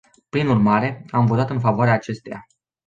Prin urmare, am votat în favoarea acesteia.